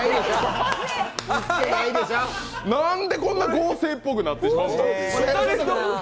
なんでこんな合成っぽくなってしまうんだ。